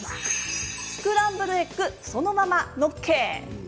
スクランブルエッグそのまま載っけ。